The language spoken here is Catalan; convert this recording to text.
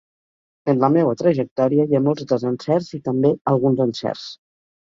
En la meua trajectòria hi ha molts desencerts i també alguns encerts.